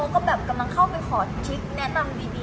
ก็แบบกำลังเข้าไปขอทริคแนะนำดี